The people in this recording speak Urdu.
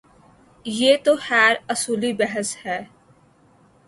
یہ تو خیر اصولی بحث ہے۔